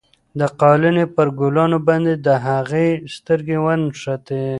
د قالینې پر ګلانو باندې د هغې سترګې ونښتې.